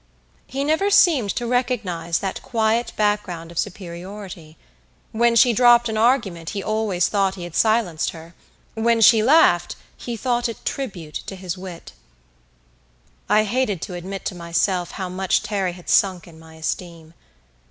He never seemed to recognize that quiet background of superiority. When she dropped an argument he always thought he had silenced her; when she laughed he thought it tribute to his wit. I hated to admit to myself how much Terry had sunk in my esteem.